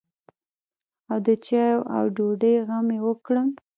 او د چايو او ډوډۍ غم يې وکړم.